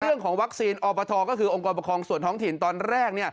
เรื่องของวัคซีนอปทก็คือองค์กรปกครองส่วนท้องถิ่นตอนแรก